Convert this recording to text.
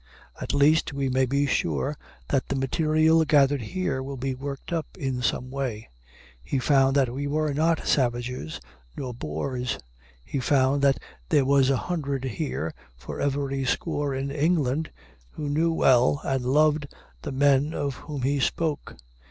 At least, we may be sure that the material gathered here will be worked up in some way. He found that we were not savages nor bores. He found that there were a hundred here for every score in England who knew well and loved the men of whom he spoke.